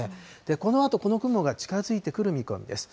このあとこの雲が近づいてくる見込みです。